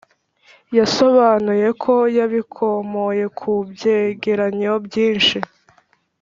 yasobanuye ko yabikomoye ku byegeranyo byinshi